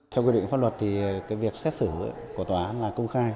theo quy định pháp luật thì cái việc xét xử của tòa án là công khai